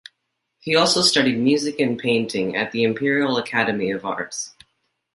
He also studied music and painting at the Imperial Academy of Arts.